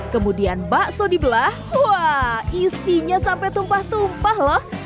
kemudian bakso dibelah wah isinya sampai tumpah tumpah loh